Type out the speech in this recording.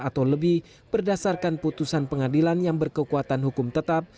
atau lebih berdasarkan putusan pengadilan yang berkekuatan hukum tetap